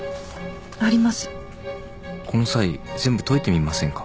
この際全部解いてみませんか？